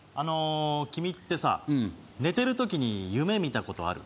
君ってさ寝てるときに夢見たことある？